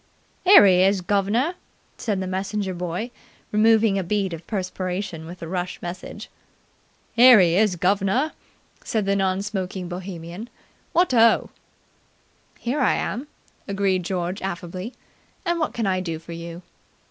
"Here he is, guv'nor," said the messenger boy, removing a bead of perspiration with the rush message. "Here he is, guv'nor," said the non smoking Bohemian. "What oh!" "Here I am!" agreed George affably. "And what can I do for you?"